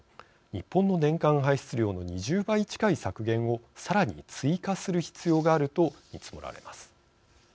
日本の年間排出量の２０倍近い削減をさらに追加する必要があると見積もられます。